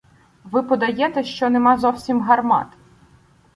— Ви подаєте, що нема зовсім гармат.